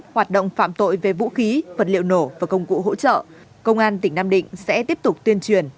hoạt động phạm tội về vũ khí vật liệu nổ và công cụ hỗ trợ công an tỉnh nam định sẽ tiếp tục tuyên truyền